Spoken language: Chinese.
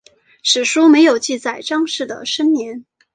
史书没有记载张氏的生年。